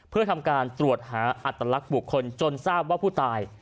เพื่อทำการตรวจหาอัตลักษณ์บุคคลจนทราบว่าผู้ตาย